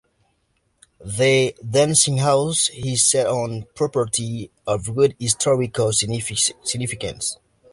The "Dancing House" is set on a property of great historical significance.